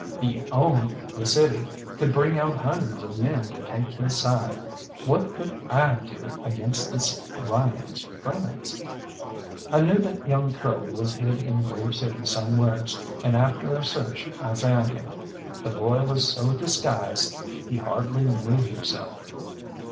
He owned the city, could bring out hundreds of men to take his side. What could I do against this Ryan's friends? I knew that young Curly was hid in Grave City somewheres, and after a search I found him. The boy was so disguised he hardly knew himself.